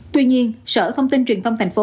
tuy nhiên sở thông tin truyền thông tp hcm